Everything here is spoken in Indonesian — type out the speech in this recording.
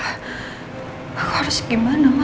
kok harus gimana ma